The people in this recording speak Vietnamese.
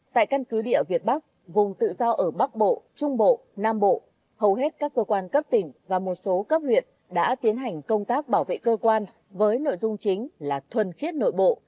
tại căn cứ địa việt bắc vùng tự do ở bắc bộ trung bộ nam bộ hầu hết các cơ quan cấp tỉnh và một số cấp huyện đã tiến hành công tác bảo vệ cơ quan với nội dung chính là thuần khiết nội bộ